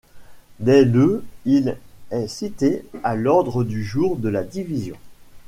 Dès le il est cité à l'ordre du jour de la division.